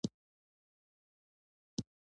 صبر د بري وسيله ده.